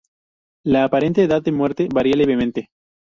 La aparente edad de Muerte varia levemente.